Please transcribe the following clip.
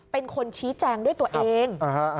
เป็นคนชี้แจงด้วยตัวเอง